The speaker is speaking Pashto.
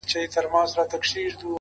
خو زړې نښې لا شته تل,